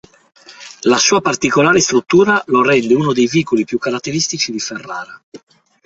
La sua particolare struttura lo rende uno dei vicoli più caratteristici di ferrara.